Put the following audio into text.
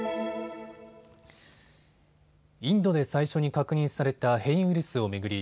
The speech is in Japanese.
インドで最初に確認された変異ウイルスを巡り